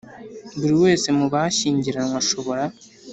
Buri wese mu bashyingiranywe ashobora